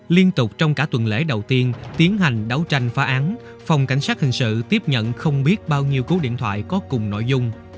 liên tục trong cả tuần lễ đầu tiên tiến hành đấu tranh phá án phòng cảnh sát hình sự tiếp nhận không biết bao nhiêu cú điện thoại có cùng nội dung